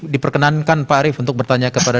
diperkenankan pak arief untuk bertanya kepada